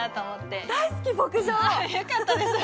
よかったです。